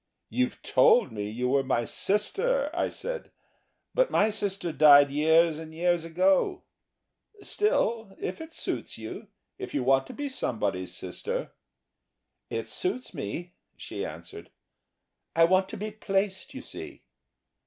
"You've told me you were my sister," I said; "but my sister died years and years ago. Still, if it suits you, if you want to be somebody's sister ..." "It suits me," she answered "I want to be placed, you see."